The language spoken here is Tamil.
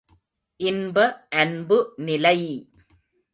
இன்ப அன்பு நிலை!